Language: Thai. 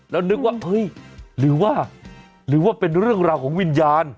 แล้วนึกว่าเฮ้ยหรือว่าหรือว่าเป็นเรื่องราวของวิญญาณ